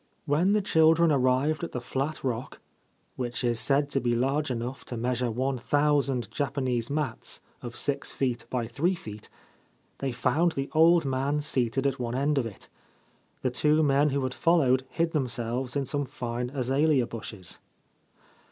When the children arrived at the flat rock — which is said to be large enough to measure one thousand Japanese mats of six feet by three feet — they found the old man seated at one end of it. The two men who had followed hid themselves in some fine azalea bushes.